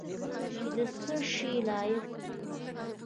چې د څه شي لایق یو .